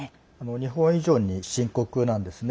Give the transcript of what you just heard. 日本以上に深刻なんですね。